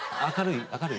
明るい？